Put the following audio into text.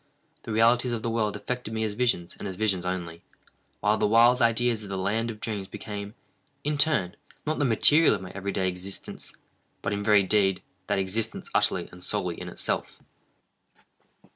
The realities of the world affected me as visions, and as visions only, while the wild ideas of the land of dreams became, in turn, not the material of my every day existence, but in very deed that existence utterly and solely in itself.